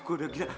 kok udah gila